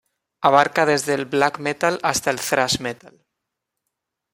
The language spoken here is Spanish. Abarca desde el black metal hasta el thrash metal.